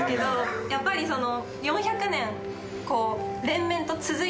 やっぱりその。